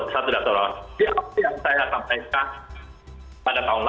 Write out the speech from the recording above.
jadi apa yang saya sampaikan pada tahun lalu